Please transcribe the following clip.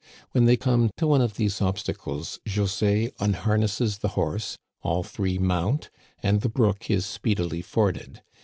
When they come to one of these obstacles José unharnesses the horse, all three mount, and the brook is speedily forded.